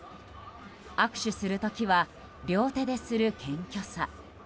握手する時は両手でする謙虚さ。